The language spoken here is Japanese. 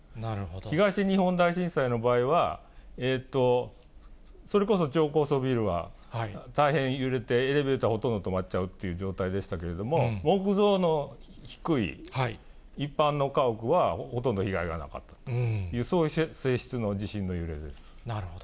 東日本大震災の場合は、それこそ超高層ビルは大変揺れて、エレベーター、ほとんど止まっちゃうという状態でしたけれども、木造の低い一般の家屋はほとんど被害がなかったと、そういう性質なるほど。